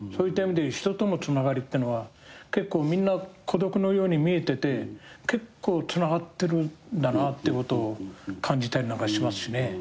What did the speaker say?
人とのつながりってのはみんな孤独のように見えてて結構つながってるんだなってことを感じたりなんかしますしね。